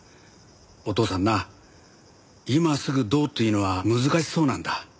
お父さんな今すぐどうっていうのは難しそうなんだ。